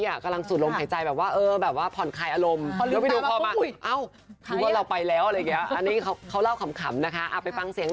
ผมก็กำลังเจริญโภวนาผมอยู่แบบว่าเข้าออกว่ามันจะได้ตรับความกลัวอะไรอย่างเนี่ย